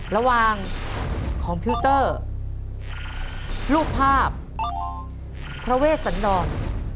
ระหว่างคอมพิวเตอร์รูปภาพพระเวทสันดร